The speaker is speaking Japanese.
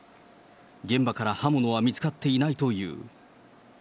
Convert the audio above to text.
現場から刃物は見つかっていないという。